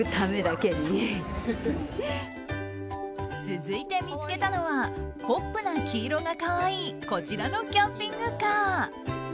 続いて見つけたのはポップな黄色が可愛いこちらのキャンピングカー。